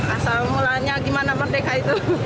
asal mulanya gimana merdeka itu